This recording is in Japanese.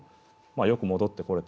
よく戻ってこれたな。